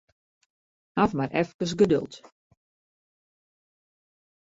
Haw mar efkes geduld.